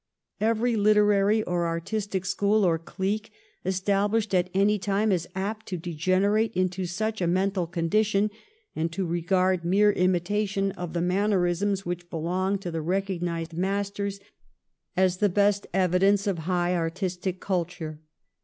Every literary or artistic school or clique established at any time is apt to de generate into such a mental condition, and to regard mere imitation of the mannerisms which belong to the recognised masters as the best evidence of high artistic culture.